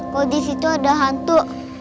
kalau disitu ada hantu